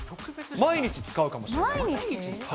毎日使うかもしれない。